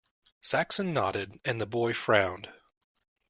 Saxon nodded, and the boy frowned.